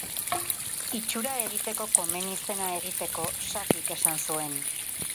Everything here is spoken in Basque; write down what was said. Itxura egiteko komeni zena egiteko, Sakik esan zuen.